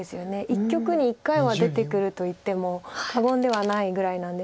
一局に一回は出てくるといっても過言ではないぐらいなんですけど。